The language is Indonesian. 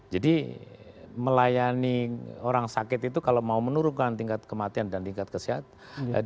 jadi melayani orang sakit itu kalau mau menurunkan tingkat kematian dan tingkat kesiapan